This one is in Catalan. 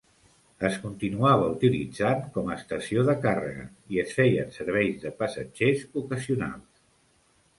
Es continuava utilitzant com a estació de càrrega i es feien serveis de passatgers ocasionals.